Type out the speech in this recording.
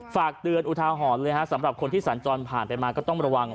ฝากเตือนอุทาหรณ์เลยฮะสำหรับคนที่สัญจรผ่านไปมาก็ต้องระวัง